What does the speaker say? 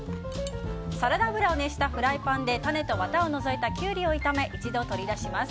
サラダ油を熱したフライパンで種とワタを除いたキュウリを炒め一度取り出します。